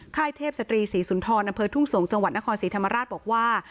ค่ายเทพสตรีศรีศูนย์ทรนทุ่งสงฆ์จังหวัดนครศรีธรรมราชบอกว่า